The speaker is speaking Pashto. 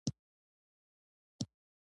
نجلۍ ښکلا لري.